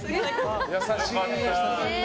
優しい。